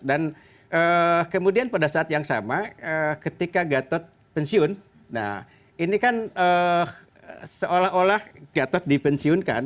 dan kemudian pada saat yang sama ketika gatot pensiun nah ini kan seolah olah gatot dipensiunkan